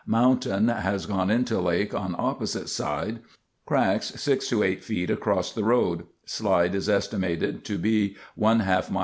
Mountain has gone into lake on opposite side. Cracks 6 to 8 ft. across the road. Slide is estimated to be ½ mi.